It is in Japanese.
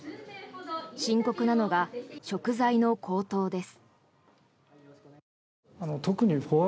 深刻なのが食材の高騰です。